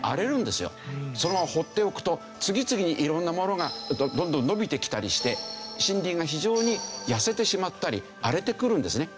そのまま放っておくと次々に色んなものがどんどん伸びてきたりして森林が非常に痩せてしまったり荒れてくるんですね。